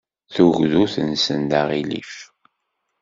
Tugdut-nsen d aɣilif.